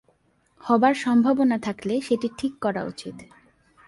হবার সম্ভাবনা থাকলে সেটি ঠিক করা উচিত।